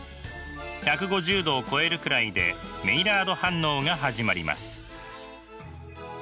１５０℃を超えるくらいでメイラード反応が始まります。